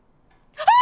あっ！